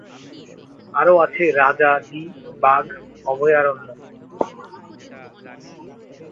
আরও আছে রাজা জি বাঘ অভয়ারণ্য।